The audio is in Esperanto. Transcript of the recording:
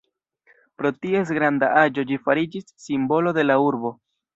Pro ties granda aĝo ĝi fariĝis simbolo de la urbo.